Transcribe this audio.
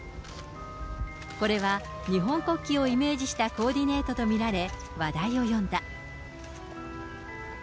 これは日本国旗をイメージしたコーディネートと見られ、話題を呼んだ。